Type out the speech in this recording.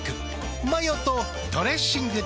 マヨとドレッシングで。